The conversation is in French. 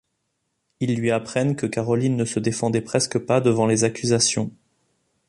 Ils lui apprennent que Caroline ne se défendait presque pas devant les accusations.